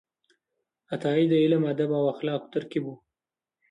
عطايي د علم، ادب او اخلاقو ترکیب و.